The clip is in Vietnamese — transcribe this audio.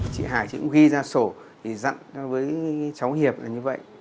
chị hải chị cũng ghi ra sổ thì dặn với cháu hiệp là như vậy